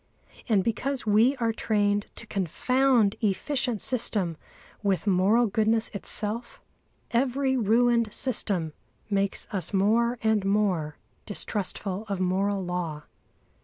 And because we are trained to confound efficient system with moral goodness itself, every ruined system makes us more and more distrustful of moral law.